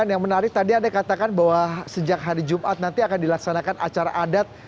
yang menarik tadi anda katakan bahwa sejak hari jumat nanti akan dilaksanakan acara adat